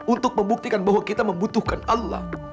untuk membuktikan bahwa kita membutuhkan allah